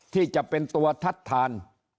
ที่จะเป็นตัวทัดทาน